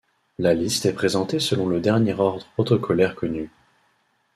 La liste est présentée selon le dernier ordre protocolaire connu.